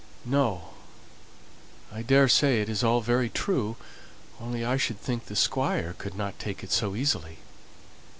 "No. I daresay it is all very true; only I should think the Squire could not take it so easily."